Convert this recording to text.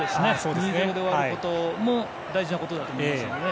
２ー０で終わることも大事なことだと思います。